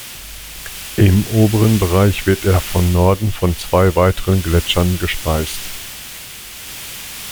Im oberen Bereich wird er von Norden von zwei weiteren Gletschern gespeist.